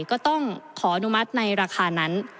ก็ต้องขออนุมัติในราคานั้น